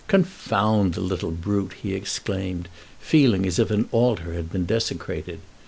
"Confound the little brute!" he exclaimed, feeling as if an altar had been desecrated.